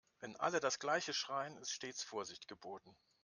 Wenn alle das gleiche schreien, ist stets Vorsicht geboten.